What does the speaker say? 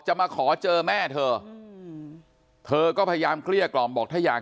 มาขอเจอแม่เธอเธอก็พยายามเกลี้ยกล่อมบอกถ้าอยาก